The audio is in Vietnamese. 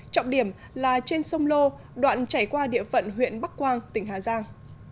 trọng điểm là trên sông lô đoạn chảy qua địa phận huyện bắc quang tỉnh hà giang